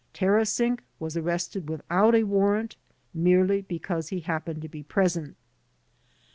Tara sink was arrested without a warrant merely because he happened to be present.